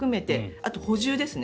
あと、補充ですね。